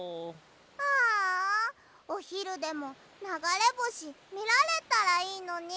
ああおひるでもながれぼしみられたらいいのに。